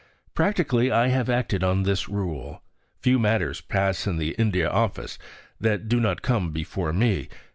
Practically I have acted on this rule. Few matters pass in the India Office that do not come before me.